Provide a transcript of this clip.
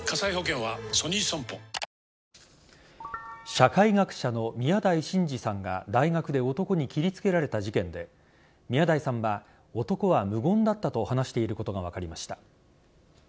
社会学者の宮台真司さんが大学で男に切りつけられた事件で宮台さんは男は無言だったと話していることが分かりました。